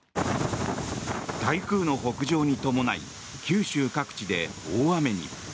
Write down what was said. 台風の北上に伴い九州各地で大雨に。